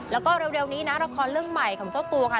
แล้วก็เร็วนี้นะละครเรื่องใหม่ของเจ้าตัวค่ะ